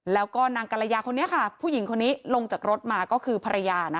แล้วก็นางกรยาคนนี้ค่ะผู้หญิงคนนี้ลงจากรถมาก็คือภรรยา